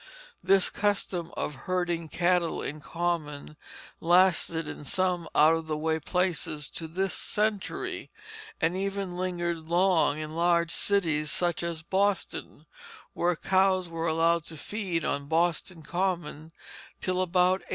This custom of herding cattle in common lasted in some out of the way places to this century, and even lingered long in large cities such as Boston, where cows were allowed to feed on Boston Common till about 1840.